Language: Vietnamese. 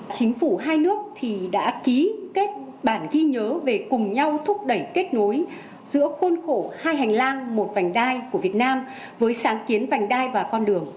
chính phủ hai nước đã ký kết bản ghi nhớ về cùng nhau thúc đẩy kết nối giữa khuôn khổ hai hành lang một vành đai của việt nam với sáng kiến vành đai và con đường